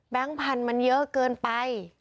พันธุ์มันเยอะเกินไป